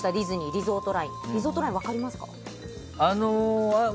リゾートライン、分かりますか？